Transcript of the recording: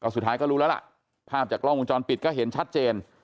สุดท้ายก็รู้แล้วล่ะภาพจากกล้องวงจรปิดก็เห็นชัดเจน